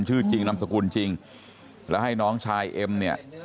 ชื่อจริงนามสกุลจริงแล้วให้น้องชายเอ็มเนี่ย